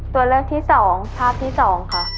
ตัวเลือกที่สองภาพที่สองค่ะ